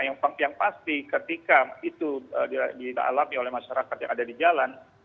yang pasti ketika itu dialami oleh masyarakat yang ada di jalan